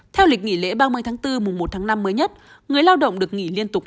theo lịch nghỉ lễ ba mươi tháng bốn mùng một tháng năm mới nhất người lao động được nghỉ liên tục năm ngày